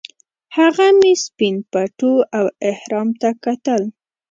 هغه مې سپین پټو او احرام ته کتل.